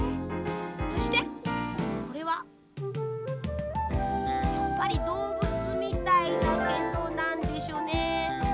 そしてこれはやっぱりどうぶつみたいだけどなんでしょうね。